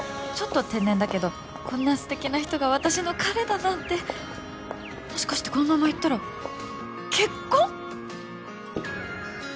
ちょっと天然だけどこんな素敵な人が私の彼だなんてもしかしてこのままいったら結婚！？